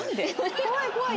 怖い怖い。